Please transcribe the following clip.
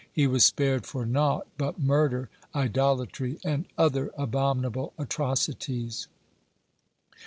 He was spared for naught but murder, idolatry, and other abominable atrocities.